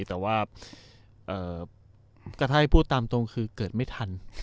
แต่ว่าถ้าให้พูดตามตรงคือเกิดไม่ทัน